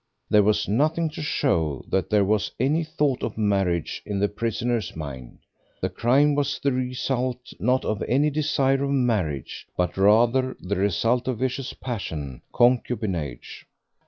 There was nothing to show that there was any thought of marriage in the prisoner's mind; the crime was the result, not of any desire of marriage, but rather the result of vicious passion, concubinage.